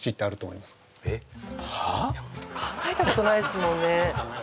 考えたことないですもんね